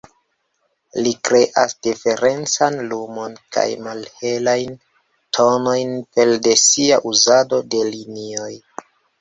Li kreas diferencan lumon kaj malhelajn tonojn pere de sia uzado de linioj.